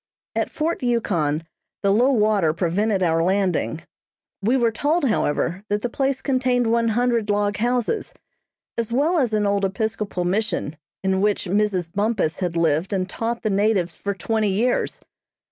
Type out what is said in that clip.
At Fort Yukon the low water prevented our landing. We were told, however, that the place contained one hundred log houses, as well as an old Episcopal Mission, in which Mrs. Bumpus had lived and taught the natives for twenty years.